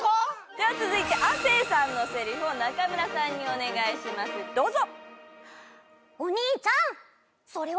では続いて亜生さんのセリフを中村さんにお願いしますどうぞ！